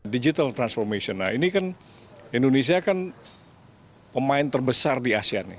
digital transformation nah ini kan indonesia kan pemain terbesar di asean nih